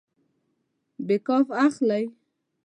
بیک اپ اخلئ؟